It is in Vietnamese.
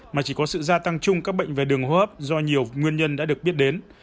mà chỉ có sự gia tăng chung các bệnh về đường hô hấp do nhiều nguyên nhân đã được biết đến